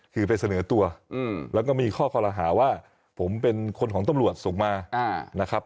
คือไปเสนอตัวแล้วก็มีข้อคอรหาว่าผมเป็นคนของตำรวจส่งมานะครับ